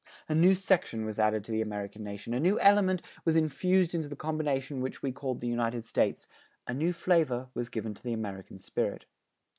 A new section was added to the American nation, a new element was infused into the combination which we call the United States, a new flavor was given to the American spirit.